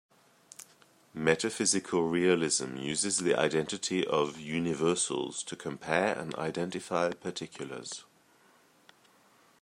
Metaphysical realism uses the identity of "universals" to compare and identify particulars.